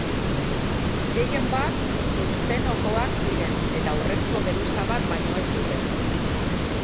Gehienbat tungstenokoak ziren, eta urrezko geruza bat baino ez zuten.